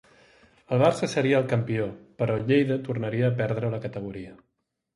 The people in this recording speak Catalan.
El Barça seria el campió però el Lleida tornaria a perdre la categoria.